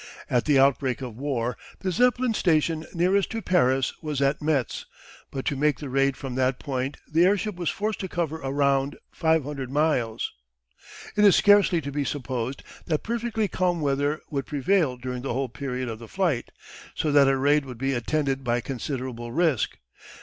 At the outbreak of war the Zeppelin station nearest to Paris was at Metz, but to make the raid from that point the airship was forced to cover a round 500 miles. It is scarcely to be supposed that perfectly calm weather would prevail during the whole period of the flight, so that a raid would be attended by considerable risk.